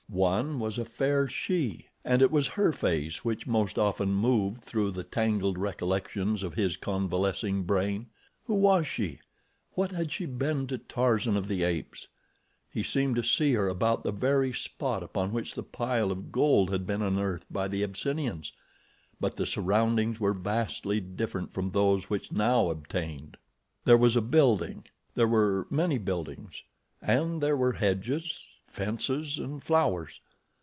One was a fair she, and it was her face which most often moved through the tangled recollections of his convalescing brain. Who was she? What had she been to Tarzan of the Apes? He seemed to see her about the very spot upon which the pile of gold had been unearthed by the Abyssinians; but the surroundings were vastly different from those which now obtained. There was a building—there were many buildings—and there were hedges, fences, and flowers.